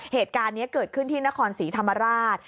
เหตุการณ์นี้เกิดขึ้นที่นครศรีธรรมราช